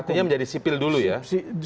artinya menjadi sipil dulu ya